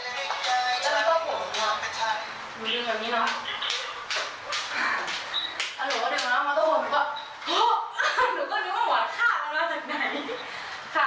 แล้วหนูก็เรียกมาแล้วมันต้องบอกหนูก็หนูก็นึกว่าหวานข้าวแล้วจากไหน